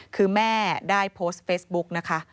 คือแม่ได้โพสต์เฟซบุ๊กนะคะ